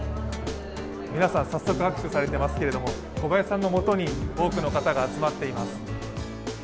皆さん、早速握手されていますけれども、小林さんのもとに多くの方が集まっています。